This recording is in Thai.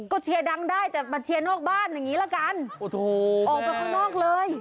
ก็เชียร์ดังได้แต่มาเชียร์นอกบ้านอย่างงี้ละกันโอ้โหออกไปข้างนอกเลย